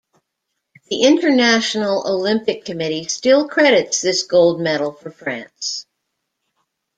The International Olympic Committee still credits this gold medal for France.